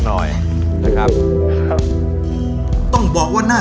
โชคชะตาโชคชะตา